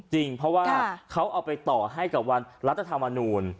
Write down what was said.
จริงเพราะว่าเขาเอาไปต่อให้กับวันรัฐธรรมนูล